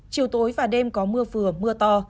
chiều tối và đêm có mưa vừa mưa to